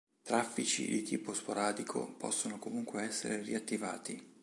Traffici di tipo sporadico possono comunque essere riattivati.